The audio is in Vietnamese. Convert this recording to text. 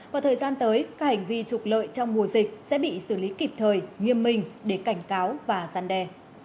và thời gian tới các hành vi trục lợi trong mùa dịch sẽ bị xử lý kịp thời nghiêm minh để cảnh cáo và gian đe